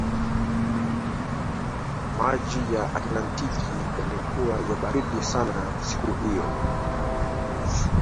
maji ya atlantiki yalikuwa ya baridi sana siku hiyoi